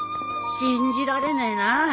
信じられねえな。